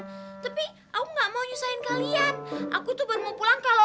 tapi aku nggak mau nyusahin kalian aku tuh baru mau pulang kalau